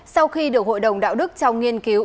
sau khi được hội đồng đạo đức trong nghiên cứu